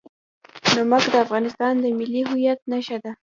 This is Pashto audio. نمک د افغانستان د ملي هویت نښه ده.